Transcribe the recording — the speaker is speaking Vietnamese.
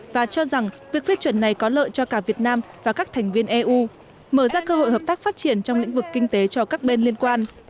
và cho rằng việc phê chuẩn này có lợi cho cả việt nam và các thành viên eu mở ra cơ hội hợp tác phát triển trong lĩnh vực kinh tế cho các bên liên quan